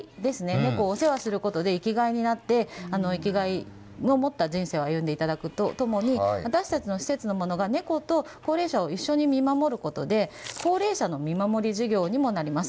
猫をお世話することで生きがいになって生きがいを持った人生を歩んでいただくとともに私たちの施設の者が猫と高齢者を一緒に見守ることで高齢者の見守り事業にもなります。